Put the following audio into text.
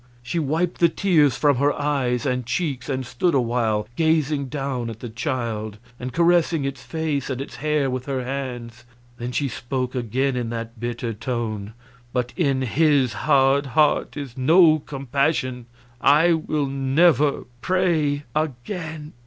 She wiped the tears from her eyes and cheeks, and stood awhile gazing down at the child and caressing its face and its hair with her hands; then she spoke again in that bitter tone: "But in His hard heart is no compassion. I will never pray again."